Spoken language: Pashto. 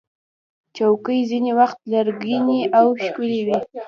چوکۍ ځینې وخت لرګینې او ښکلې وي.